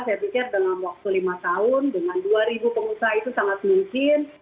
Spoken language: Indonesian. saya pikir dalam waktu lima tahun dengan dua pengusaha itu sangat mungkin